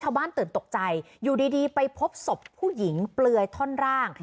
ตื่นตกใจอยู่ดีไปพบศพผู้หญิงเปลือยท่อนร่าง